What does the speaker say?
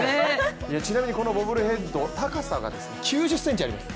ちなみにこのボブルヘッド、高さが９０ｃｍあります。